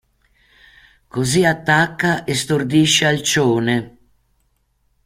Così attacca e stordisce Alcione.